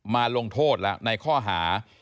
ลงโทษแล้วในข้อหา